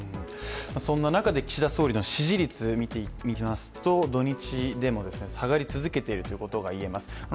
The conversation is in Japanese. そんな中で岸田総理の支持率を見ていきますと土日でも下がり続けているということが言えます。